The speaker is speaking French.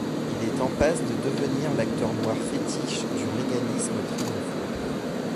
Il est en passe de devenir l'acteur noir fétiche du reaganisme triomphant.